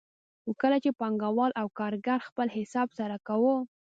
خو کله چې به پانګوال او کارګر خپل حساب سره کاوه